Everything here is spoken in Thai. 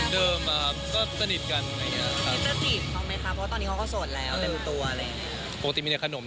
ดีกว่าเดิมสนิทกัน